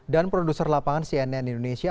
dan produser lapangan cnn indonesia